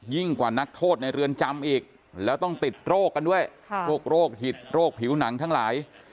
กว่านักโทษในเรือนจำอีกแล้วต้องติดโรคกันด้วยโรคหิตโรคผิวหนังทั้งหลาย